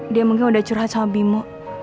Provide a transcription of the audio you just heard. dia mungkin udah curhat sama bimo